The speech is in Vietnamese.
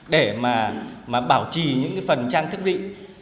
để mà bảo trì những phần trang thức vị